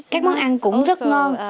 các món ăn cũng rất ngon